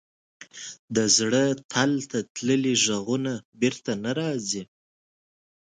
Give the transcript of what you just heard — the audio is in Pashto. د زړه تل ته تللي ږغونه بېرته نه راځي.